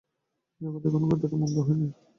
জগৎ এখনও এতটা মন্দ হয় নাই।